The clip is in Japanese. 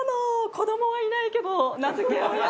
子どもはいないけど名付け親。